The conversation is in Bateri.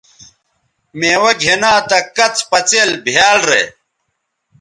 میوہ گِھنا تہ کڅ پڅئیل بھیال رے